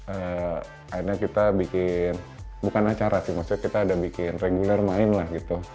akhirnya kita bikin bukan acara sih maksudnya kita ada bikin reguler main lah gitu